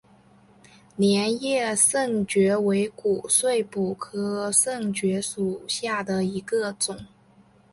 镰叶肾蕨为骨碎补科肾蕨属下的一个种。